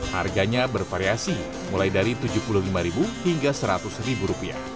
harganya bervariasi mulai dari rp tujuh puluh lima hingga rp seratus